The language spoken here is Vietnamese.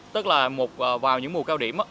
tức là vào những mùa cao điểm